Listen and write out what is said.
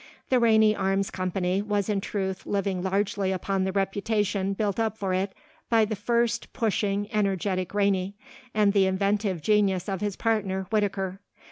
The Rainey Arms Company was in truth living largely upon the reputation built up for it by the first pushing energetic Rainey, and the inventive genius of his partner, Whittaker.